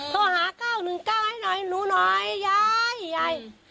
โทรหา๙๑๙ให้หน่อยหนูหน่อยยายยาย